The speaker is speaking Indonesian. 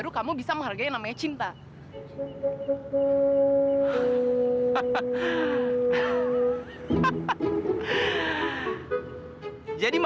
oke pergi sana jauh